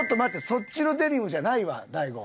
そっちのデニムじゃないわ大悟。